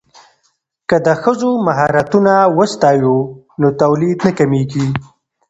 که د ښځو مهارتونه وستایو نو تولید نه کمیږي.